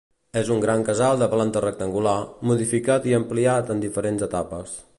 És un gran casal de planta rectangular, modificat i ampliat en diferents etapes.